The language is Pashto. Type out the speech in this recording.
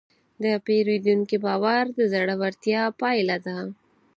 د پیرودونکي باور د زړورتیا پایله ده.